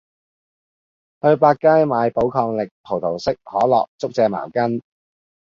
去百佳買寶礦力，葡萄式，可樂，竹蔗茅根